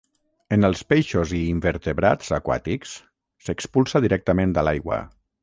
En els peixos i invertebrats aquàtics, s'expulsa directament a l'aigua.